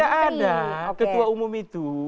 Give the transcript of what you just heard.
nomen klaturnya tidak ada ketua umum itu